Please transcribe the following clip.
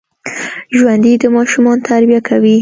ژوندي د ماشومانو تربیه کوي